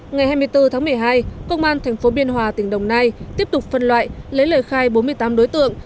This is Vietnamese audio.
ngày hai mươi bốn tháng một mươi hai công an tp biên hòa tỉnh đồng nai tiếp tục phân loại lấy lời khai bốn mươi tám đối tượng